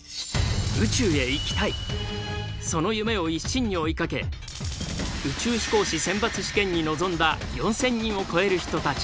その夢を一心に追いかけ宇宙飛行士選抜試験に臨んだ４，０００人を超える人たち。